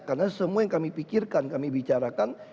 karena semua yang kami pikirkan kami bicarakan